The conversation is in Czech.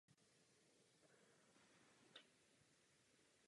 Je nutné posílit také Program pro konkurenceschopnost a inovace.